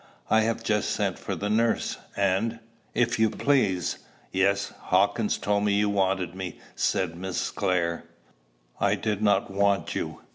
I have just sent for the nurse; and, if you please" "Yes. Hawkins told me you wanted me," said Miss Clare. "I did not want you.